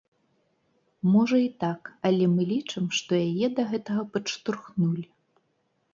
Можа і так, але мы лічым, што яе да гэтага падштурхнулі.